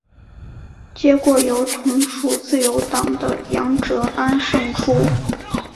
结果由同属自由党的杨哲安胜出。